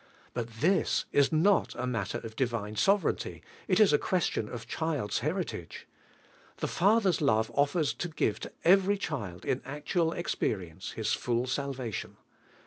But this is not a matter of Divine sovereignty, it is a question of child's heritage. The Father's love offers to give to every child in ail Hal exporieiiee His full salvation.